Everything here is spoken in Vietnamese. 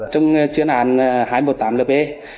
trong chuyên án hai trăm một mươi tám lb